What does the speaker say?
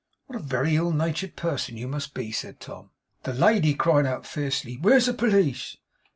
'What a very ill natured person you must be!' said Tom. The lady cried out fiercely, 'Where's the pelisse!